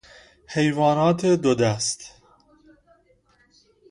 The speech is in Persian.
حیوانات دو دست